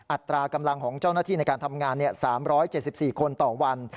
อัตรากำลังของเจ้าหน้าที่ในการทำงาน๓๗๔คนต่อวัน